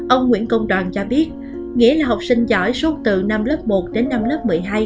ông nguyễn công đoàn cho biết nghĩa là học sinh giỏi suốt từ năm lớp một đến năm lớp một mươi hai